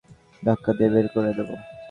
ধাক্কা দিয়ে বের করে দিবো?